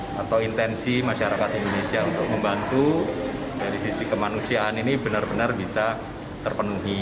dan niat baik atau intensi masyarakat indonesia untuk membantu dari sisi kemanusiaan ini benar benar bisa terpenuhi